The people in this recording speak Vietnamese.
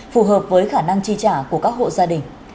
phù hợp với khả năng chi trả của các hộ gia đình